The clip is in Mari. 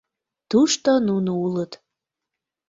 Тушто нуно улыт.